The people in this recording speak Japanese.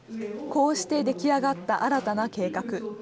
こうして出来上がった新たな計画。